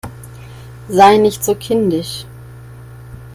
Sei nicht so kindisch!